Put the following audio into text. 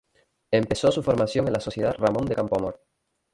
Empezó su formación en la Sociedad Ramón de Campoamor.